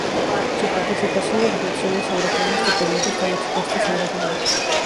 Su participación y reflexiones sobre este período están expuestas en dos libros.